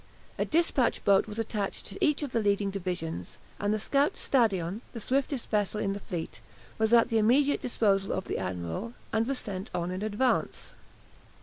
A dispatch boat was attached to each of the leading divisions, and the scout "Stadion," the swiftest vessel in the fleet, was at the immediate disposal of the admiral, and was sent on in advance.